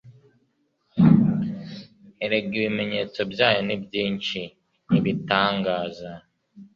erega ibimenyetso byayo ni byinshi ibitangaza